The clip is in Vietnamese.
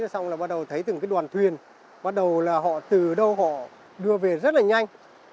xong là bắt đầu thấy từng cái đoàn thuyền bắt đầu là họ từ đâu họ đưa về rất là nhanh